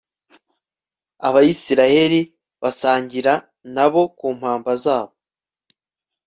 abayisraheli basangira na bo ku mpamba zabo